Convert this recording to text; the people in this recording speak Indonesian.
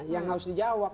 yang harus dijawab